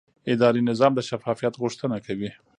اداري نظام د شفافیت غوښتنه کوي.